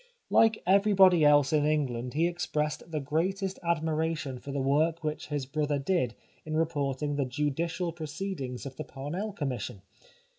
Like every 275 The Life of Oscar Wilde body else in England he expressed the greatest admiration for the work which his brother did in reporting the judicial proceedings of the Parnell commission.